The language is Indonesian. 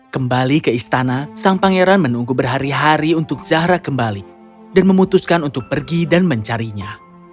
kembali ke istana sang pangeran menunggu berhari hari untuk zahra kembali dan memutuskan untuk pergi dan mencarinya